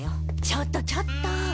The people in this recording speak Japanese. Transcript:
ちょっとちょっと。